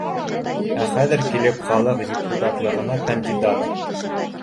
Ә хәҙер килеп, халыҡ депутатлығына кандидат